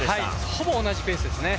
ほぼ同じペースですね。